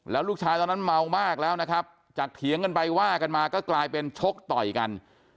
แล้วลูกชายตอนนั้นเมามากแล้วนะครับจากเถียงกันไปว่ากันมาก็กลายเป็นชกต่อยกัน